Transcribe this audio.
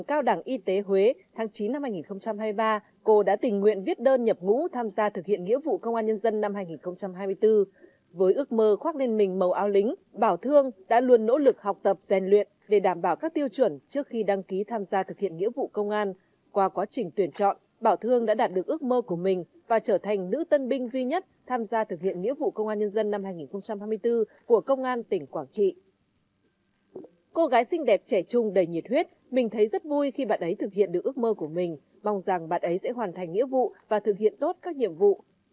cô gái xinh đẹp trẻ trung đầy nhiệt huyết mình thấy rất vui khi bạn ấy thực hiện được ước mơ của mình mong rằng bạn ấy sẽ hoàn thành nghĩa vụ và thực hiện tốt các nhiệm vụ